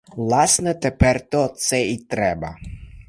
Власне тепер то це і треба.